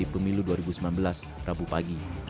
pada tahun dua ribu sembilan belas rabu pagi